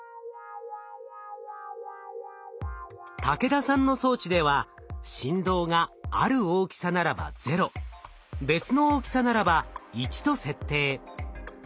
武田さんの装置では振動がある大きさならば「０」別の大きさならば「１」と設定。